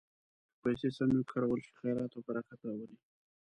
که پیسې سمې وکارول شي، خیر او برکت راولي.